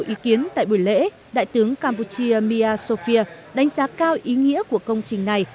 dự kiến tại buổi lễ đại tướng campuchia mia sophia đánh giá cao ý nghĩa của công trình này